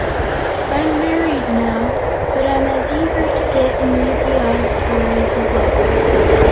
I'm married, now, but am as eager to get and read the Oz stories as ever."